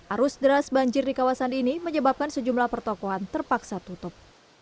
arus deras banjir di kawasan ini menyebabkan sejumlah pertokohan terpaksa tutup